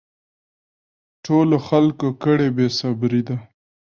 ټولو خلکو کړی بې صبري ده